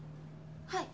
はい。